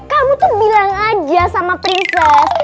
kamu tuh bilang aja sama privat